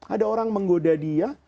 ada orang menggoda dia